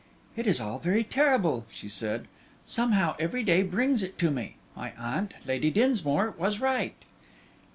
"It is all very terrible," she said; "somehow every day brings it to me. My aunt, Lady Dinsmore, was right."